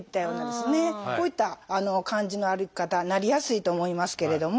こういった感じの歩き方になりやすいと思いますけれども。